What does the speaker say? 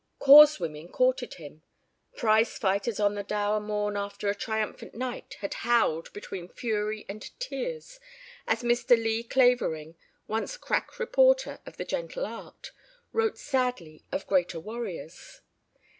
Cause women courted him. Prize fighters on the dour morn after a triumphant night had howled between fury and tears as Mr. Lee Clavering (once crack reporter of the gentle art) wrote sadly of greater warriors.